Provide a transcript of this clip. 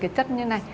cái chất như này